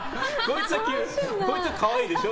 こいつは可愛いでしょ。